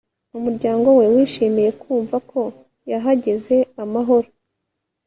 Umuryango we wishimiye kumva ko yahageze amahoro